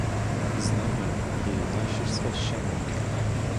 З нами є й наші священики.